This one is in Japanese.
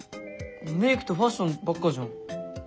メークとファッションばっかじゃん。